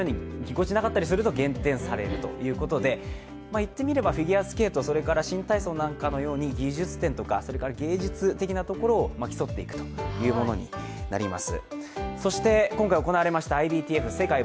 言ってみればフィギュアスケート、そして新体操なんかのように技術点とかそれから芸術的なところを競っていくことになります。